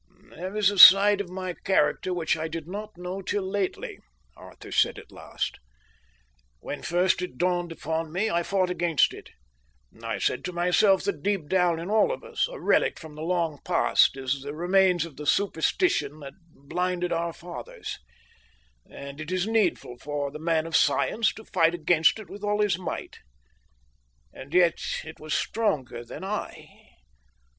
"There is a side of my character which I did not know till lately," Arthur said at last. "When first it dawned upon me, I fought against it. I said to myself that deep down in all of us, a relic from the long past, is the remains of the superstition that blinded our fathers; and it is needful for the man of science to fight against it with all his might. And yet it was stronger than I.